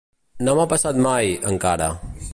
No m'ha passat mai, encara.